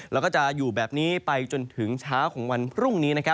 แล้วก็จะอยู่แบบนี้ไปจนถึงเช้าของวันพรุ่งนี้